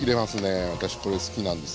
私これ好きなんですよ。